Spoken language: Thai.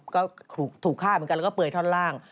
ก็ถูกฆ่าเหมือนกันแล้วก็เปลือยท่อนล่าง